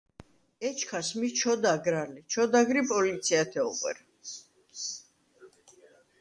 ეჩქას მი ჩოდაგრ ალი, ჩოდაგრ ი პოლიციათე ოღუ̂ერ.